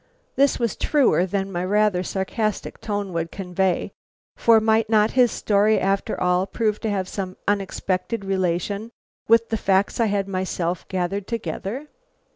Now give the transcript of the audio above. This was truer than my rather sarcastic tone would convey, for might not his story after all prove to have some unexpected relation with the facts I had myself gathered together.